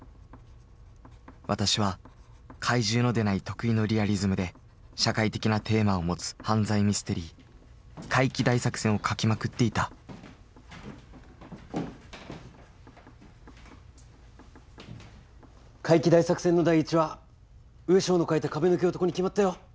私は怪獣の出ない得意のリアリズムで社会的なテーマを持つ犯罪ミステリー「怪奇大作戦」を書きまくっていた「怪奇大作戦」の第１話ウエショウの書いた「壁ぬけ男」に決まったよ。